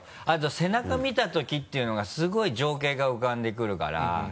あと「背中見たとき」っていうのがすごい情景が浮かんでくるから。